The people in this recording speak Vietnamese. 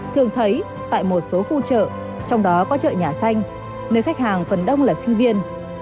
thường thấy tại một số khu chợ trong đó có chợ nhà xanh nơi khách hàng phần đông là sinh viên